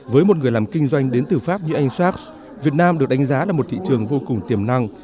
với một người làm kinh doanh đến từ pháp như anh shabs việt nam được đánh giá là một thị trường vô cùng tiềm năng